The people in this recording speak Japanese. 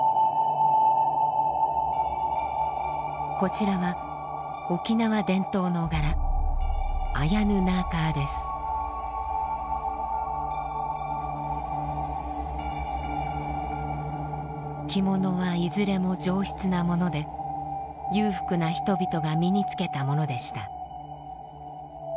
こちらは沖縄伝統の柄着物はいずれも上質なもので裕福な人々が身に着けたものでした。